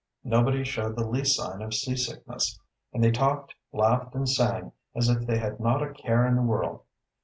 Nobody showed the least sign of seasickness, and they talked, laughed, and sang as if they had not a care in the world.